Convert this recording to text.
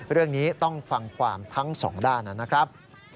เรื่องนี้ต้องฟังความทั้งสองด้านนะครับ